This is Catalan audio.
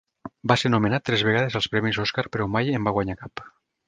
Va ser nomenat tres vegades als premis Oscar però mai en va guanyar cap.